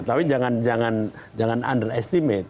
tapi jangan underestimate